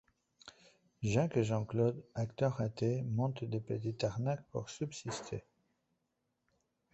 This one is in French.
Jacques et Jean-Claude, acteurs ratés montent de petites arnaques pour subsister.